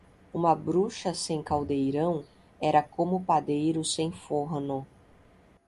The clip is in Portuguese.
Uma bruxa sem caldeirão era como padeiro sem forno.